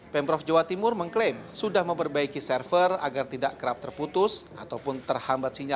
pemprov jawa timur mengklaim sudah memperbaiki server agar tidak kerap terputus ataupun terhambat sinyal